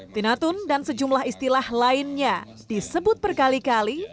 tinatun dan sejumlah istilah lainnya disebut berkali kali